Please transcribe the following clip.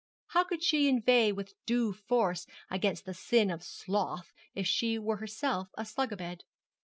How could she inveigh with due force against the sin of sloth if she were herself a slug a bed?